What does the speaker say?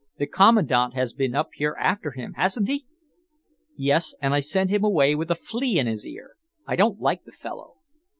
The Commandant has been up here after him, hasn't he?" "Yes, and I sent him away with a flea in his ear! I don't like the fellow."